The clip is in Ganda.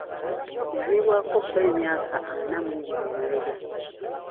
Yaviibwako bba emyaka ana mu ebiri emabega.